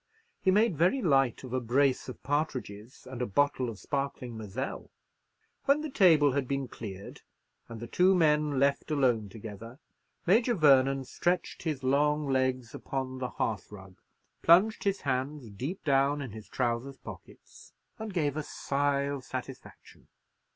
He made very light of a brace of partridges and a bottle of sparkling Moselle. When the table had been cleared, and the two men left alone together, Major Vernon stretched his long legs upon the hearth rug, plunged his hands deep down in his trousers' pockets, and gave a sigh of satisfaction.